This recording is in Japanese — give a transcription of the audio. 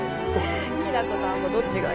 きな粉とあんこどっちがいい？